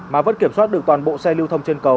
mà vẫn kiểm soát được toàn bộ xe lưu thông trên cầu